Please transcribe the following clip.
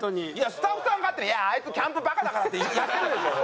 スタッフさんが「あいつキャンプバカだから」ってやってるでしょ！